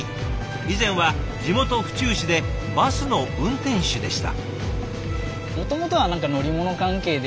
以前は地元府中市でバスの運転手でした。